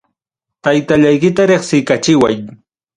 Taytallaykita reqsiykachiway.